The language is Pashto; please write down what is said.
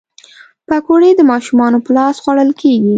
پکورې د ماشومانو په لاس خوړل کېږي